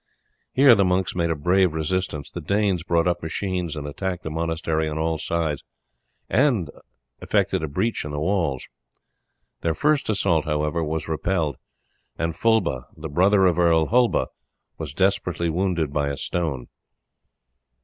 Here the monks made a brave resistance. The Danes brought up machines and attacked the monastery on all sides, and effected a breach in the walls. Their first assault, however, was repelled, and Fulba, the brother of Earl Hulba, was desperately wounded by a stone.